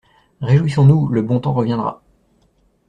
Réjouissons-nous, le bon temps reviendra!